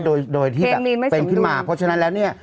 โดยที่แบบเป็นขึ้นมาเพราะฉะนั้นแล้วเนี่ย